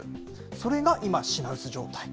それが今、品薄状態。